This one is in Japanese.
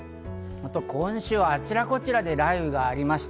今週はあちらこちらで雷雨がありました。